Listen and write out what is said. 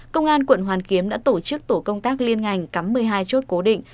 công an quận hoàn kiếm đã tổ chức tổ công tác liên ngành cắm một mươi hai chốt cố định